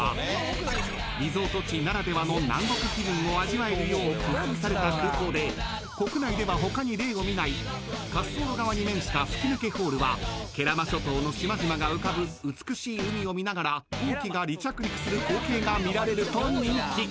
［リゾート地ならではの南国気分を味わえるよう工夫された空港で国内では他に例を見ない滑走路側に面した吹き抜けホールは慶良間諸島の島々が浮かぶ美しい海を見ながら飛行機が離着陸する光景が見られると人気］